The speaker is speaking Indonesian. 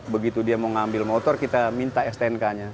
begitu dia mau ngambil motor kita minta stnk nya